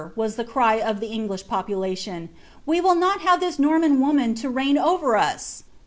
was the cry of tlie English populaljoa; "we will noi have this Nonnan woman to reigu over us."